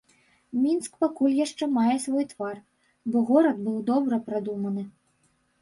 Мінск пакуль яшчэ мае свой твар, бо горад быў добра прадуманы.